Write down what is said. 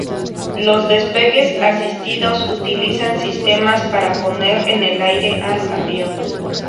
Los despegues asistidos utilizan sistemas para poner en el aire al avión.